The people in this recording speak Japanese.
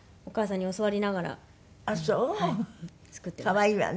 可愛いわね。